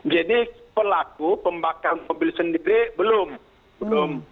jadi pelaku pembakar mobil sendiri belum